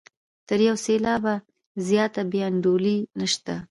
تر یو سېلاب زیاته بې انډولي نشته.